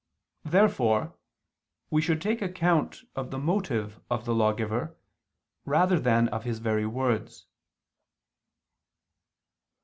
Therefore we should take account of the motive of the lawgiver, rather than of his very words.